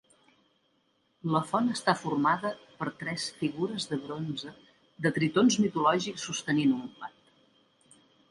La font està formada per tres figures de bronze de tritons mitològics sostenint un plat.